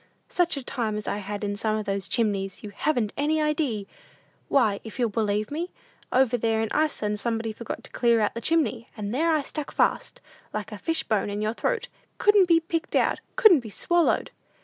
"Such a time as I had in some of those chimneys, you haven't any idee! Why, if you'll believe me, over there in Iceland somebody forgot to clear out the chimney, and there I stuck fast, like a fish bone in your throat; couldn't be picked out, couldn't be swallowed!